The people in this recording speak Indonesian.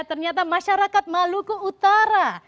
ternyata masyarakat maluku utara